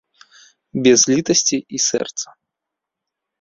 Без літасці і сэрца.